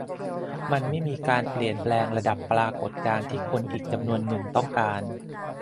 มันไม่มีการเปลี่ยนแปลงระดับปรากฏการณ์ที่คนอีกจำนวนนึงต้องการ